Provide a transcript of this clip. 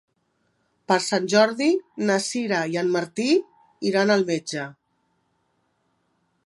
Per Sant Jordi na Sira i en Martí iran al metge.